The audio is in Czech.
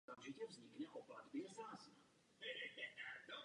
Potok dále teče jihovýchodním směrem.